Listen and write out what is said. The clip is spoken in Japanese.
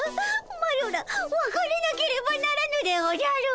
マロらわかれなければならぬでおじゃる。